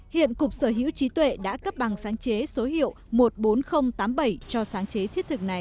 hiện cục sở hữu trí tuệ đã cấp bằng sáng chế số hiệu một mươi bốn nghìn tám mươi bảy cho sáng chế thiết thực này